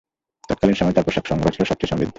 তৎকালীন সময়ে তার পোশাক সংগ্রহ ছিল সবচেয়ে সমৃদ্ধ।